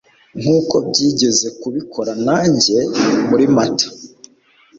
Nkuko byigeze kubikora nanjye muri Mata